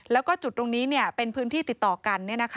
แล้วก็จุดตรงนี้เป็นพื้นที่ติดต่อกัน